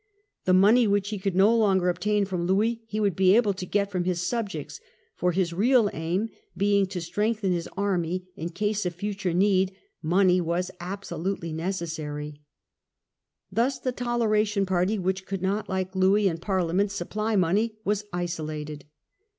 The money which he could no longer obtain from Louis he would be able to get from his subjects, for, his real aim being to strengthen his army in case of future need, money was absolutely necessary. Thus the Toleratioa party, which could not, like Louis and Parliament, supply money, was isolated.